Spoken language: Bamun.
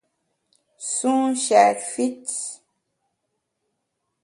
Sun shèt fit.